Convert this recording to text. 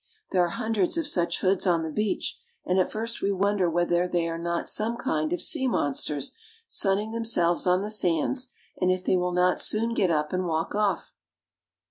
There are hundreds of such hoods on the beach, and at first we wonder whether they are not some kind of sea monsters sunning themselves on the sands, and if they will not soon get up and walk off.